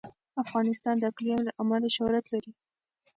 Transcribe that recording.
افغانستان د اقلیم له امله شهرت لري.